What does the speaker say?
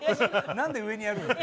何で上にやるの？